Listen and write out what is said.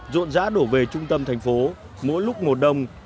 rộn rã đổ về trung tâm thành phố mỗi lúc mùa đông